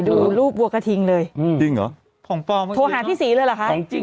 ดูรูปวัวกระทิงเลยอืมจริงเหรอโทรหาพี่ศรีแล้วหรอค่ะจริง